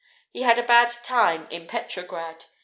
He had a bad time in Petrograd.